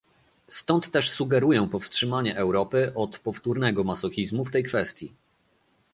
Stąd też sugeruję powstrzymanie Europy od powtórnego masochizmu w tej kwestii